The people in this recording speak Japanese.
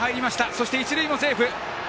そして一塁もセーフ。